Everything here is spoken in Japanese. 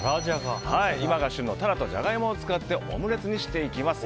今が旬のタラとジャガイモを使ってオムレツにしていきます。